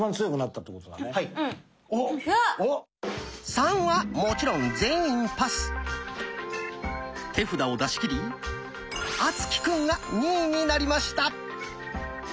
「３」はもちろん手札を出し切り敦貴くんが２位になりました。